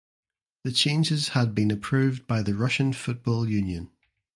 The changes had been approved by the Russian Football Union.